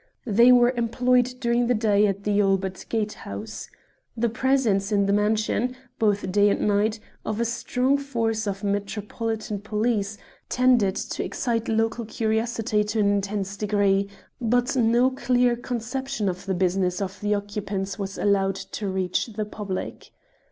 They were employed during the day at the Albert Gate house. The presence in the mansion, both day and night, of a strong force of Metropolitan police, tended to excite local curiosity to an intense degree, but no clear conception of the business of the occupants was allowed to reach the public.